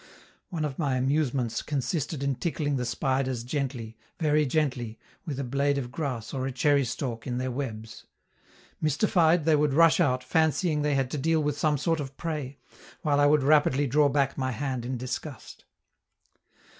One of my amusements consisted in tickling the spiders gently, very gently, with a blade of grass or a cherry stalk in their webs. Mystified, they would rush out, fancying they had to deal with some sort of prey, while I would rapidly draw back my hand in disgust.